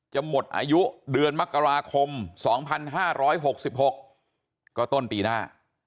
หมดอายุเดือนมกราคม๒๕๖๖ก็ต้นปีหน้า